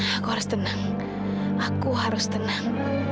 aku harus tenang aku harus tenang